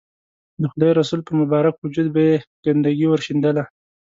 د خدای رسول پر مبارک وجود به یې ګندګي ورشیندله.